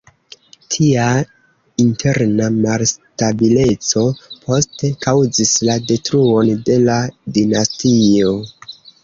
Tia interna malstabileco poste kaŭzis la detruon de la dinastio.